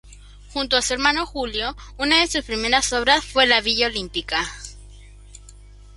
Junto a su hermano Julio, una de sus primeras obras fue la Villa Olímpica.